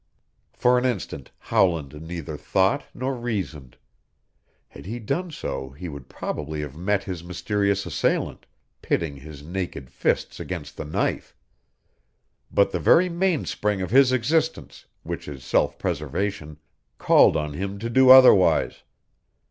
For an instant Howland neither thought nor reasoned. Had he done so he would probably have met his mysterious assailant, pitting his naked fists against the knife. But the very mainspring of his existence which is self preservation called on him to do otherwise.